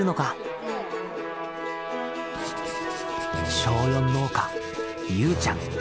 小４農家ゆうちゃん。